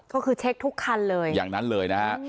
ก็คือเช็คทุกคันเลยอย่างนั้นเลยนะฮะ